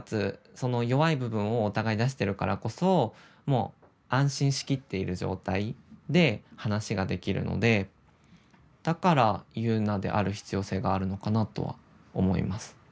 その弱い部分をお互い出してるからこそもう安心しきっている状態で話ができるのでだから佑奈である必要性があるのかなとは思います。